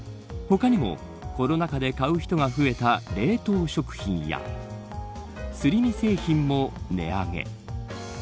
他にもコロナ禍で買う人が増えた冷凍食品やすり身製品も値上げ。